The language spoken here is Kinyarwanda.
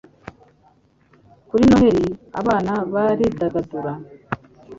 kur noheli abana baridagadura